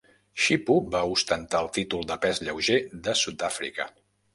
Xipu va ostentar el títol de pes lleuger de Sud-àfrica.